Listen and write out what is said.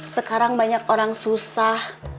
sekarang banyak orang susah